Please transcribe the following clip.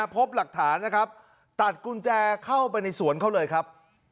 พบหลักฐานนะครับตัดกุญแจเข้าไปในสวนเขาเลยครับ